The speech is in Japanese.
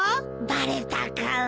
バレたか。